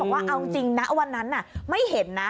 ว่าเอาจริงนะวันนั้นไม่เห็นนะ